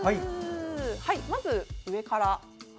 まず、上から。